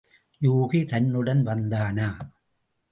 யூகி தன்னுடன் வந்தானா?